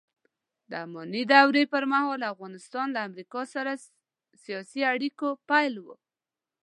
د اماني دورې پرمهال افغانستان له امریکا سره سیاسي اړیکو پیل و